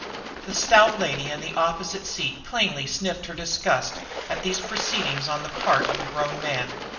The stout lady in the opposite seat plainly sniffed her disgust at these proceedings on the part of a grown man.